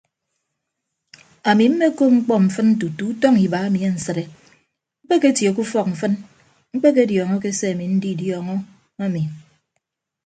Ami mmekop mkpọ mfịn tutu utọñ iba emi ansịde mkpeketie ke ufọk mfịn mkpediọọñọke se ami ndidiọọñọ ami.